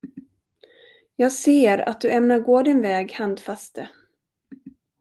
Jag ser, att du ämnar att gå din väg, Handfaste.